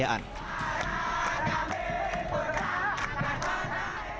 para kandungan berhubungan